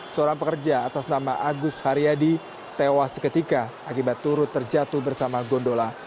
seorang pekerja atas nama agus haryadi tewas seketika akibat turut terjatuh bersama gondola